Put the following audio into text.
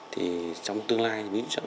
thì trong tương lai